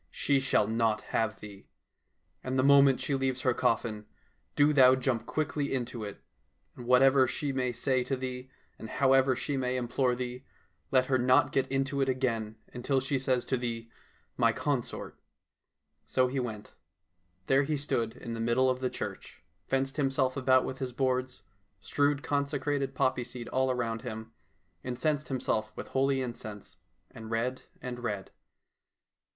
She shall not have thee. And the moment she leaves her coffin, do thou jump quickly into it. And whatever she may say to thee, and however she may implore thee, let her not get into it again until she says to thee, ' My consort .''" So he went. There he stood in the middle of the church, fenced himself about with his boards, strewed consecrated poppy seed around him, incensed himself with holy incense, and read and read.